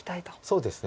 そうですね。